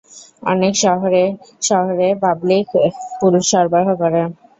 অনেক শহর শহরে পাবলিক পুল সরবরাহ করে।